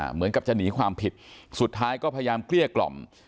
เหมือนกับจะหนีความผิดสุดท้ายก็พยายามเกลี้ยกล่อม